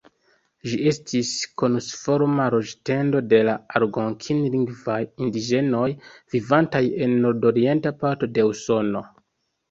Ĝi estis konusforma loĝ-tendo de la algonkin-lingvaj indiĝenoj, vivantaj en nordorienta parto de Usono.